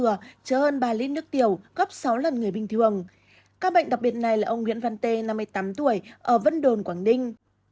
chứa hơn ba lít nước tiểu gấp sáu lần người bình thường các bệnh đặc biệt này là ông nguyễn văn tê năm mươi tám tuổi ở vân đồn quảng ninh